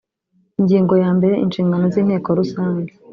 ingingo ya mbere inshingano z inteko rusange